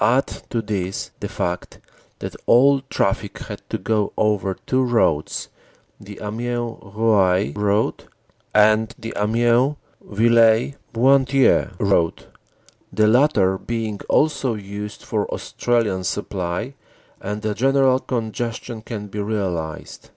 Add to this the fact that all traffic had to go over two roads the Amiens Roye road and the Amiens Villers Bretonneux road, the latter being also used for Australian supply and the general congestion can be realized.